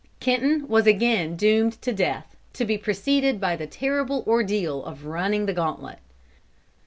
Kenton was again doomed to death, to be preceded by the terrible ordeal of running the gauntlet.